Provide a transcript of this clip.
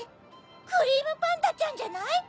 クリームパンダちゃんじゃない？